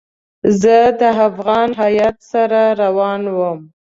زه د افغان هیات سره روان وم.